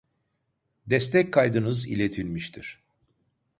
Destek kaydınız iletilmiştir